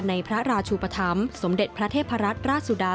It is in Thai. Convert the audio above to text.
ในพระราชุปธรรมสมเด็จพระเทพรัตนราชสุดา